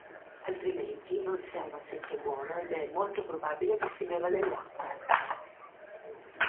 Altrimenti non si ha un assetto buono ed è molto probabile che si beva dell'acqua.